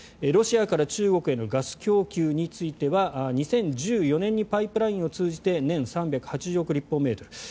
ロシアから中国へのガス供給については２０１４年にパイプラインを通じて年３８０億立方メートル。